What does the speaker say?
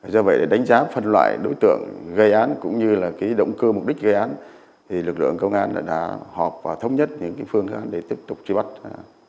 do vậy để đánh giá phần loại đối tượng gây án cũng như là cái động cư mục đích gây án thì lực lượng công an đã họp và thống nhất những phương án để tiếp tục chi bắt chi tìm đối tượng